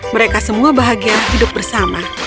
mereka semua bahagia hidup bersama